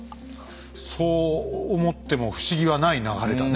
そう思っても不思議はない流れだね